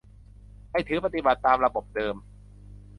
ให้ถือปฏิบัติตามระบบเดิม